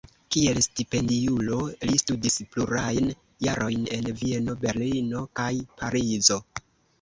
Kiel stipendiulo li studis plurajn jarojn en Vieno, Berlino kaj Parizo.